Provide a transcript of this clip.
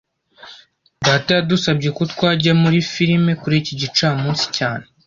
Data yadusabye ko twajya muri firime kuri iki gicamunsi cyane